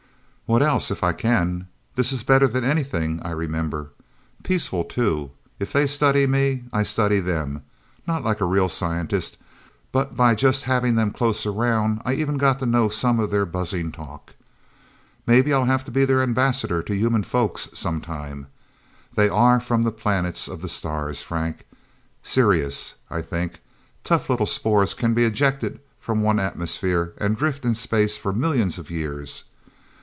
"What else if I can? This is better than anything I remember. Peaceful, too. If they study me, I study them not like a real scientist but by just having them close around. I even got to know some of their buzzing talk. Maybe I'll have to be their ambassador to human folks, sometime. They are from the planets of the stars, Frank. Sirius, I think. Tough little spores can be ejected from one atmosphere, and drift in space for millions of years...